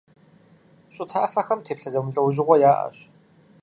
ЩӀы тафэхэм теплъэ зэмылӀэужьыгъуэ яӀэщ.